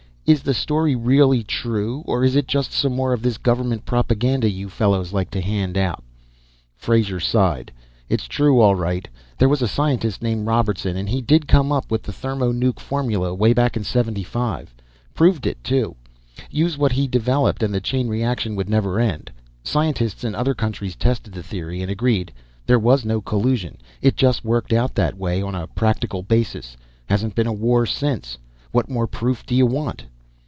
Is the story really true, or is it just some more of this government propaganda you fellows like to hand out?" Frazer sighed. "It's true, all right. There was a scientist named Robertson, and he did come up with the thermo nuc formula, way back in '75. Proved it, too. Use what he developed and the chain reaction would never end. Scientists in other countries tested the theory and agreed; there was no collusion, it just worked out that way on a practical basis. Hasn't been a war since what more proof do you want?"